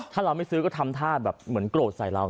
ถ้าเราไม่ซื้อก็ทำท่าแบบเหมือนโกรธใส่เรา